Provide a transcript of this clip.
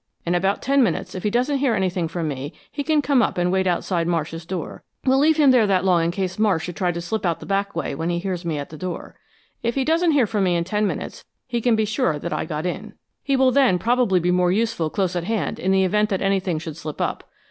In about ten minutes, if he doesn't hear anything from me, he can come up and wait outside Marsh's door. We'll leave him there that long in case Marsh should try to slip out the back way when he hears me at the door. If he doesn't hear from me in ten minutes he can be sure that I got in. He will then probably be more useful close at hand in the event that anything should slip up.